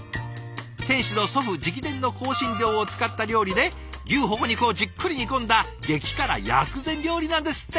店主の祖父直伝の香辛料を使った料理で牛ホホ肉をじっくり煮込んだ激辛薬膳料理なんですって！